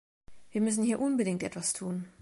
Wir müssen hier unbedingt etwas tun.